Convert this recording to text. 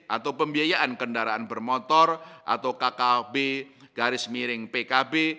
atau pembiayaan kendaraan bermotor atau kkb pkb